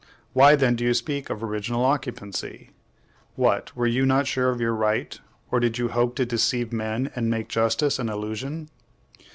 why then do you speak of original occupancy? What, were you not sure of your right, or did you hope to deceive men, and make justice an illusion?